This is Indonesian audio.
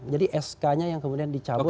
jadi sk nya yang kemudian dicabut